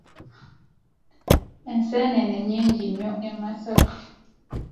Enseenene nnyingi nnyo e Masaka.